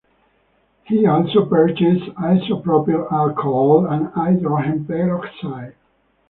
He also purchased isopropyl alcohol and hydrogen peroxide.